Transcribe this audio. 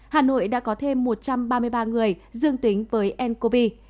hà nội đã có thêm một trăm ba mươi ba người dương tính với ncov